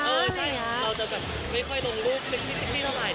เออใช่เราจะแบบไม่ค่อยลงรูปนิดเท่าไหร่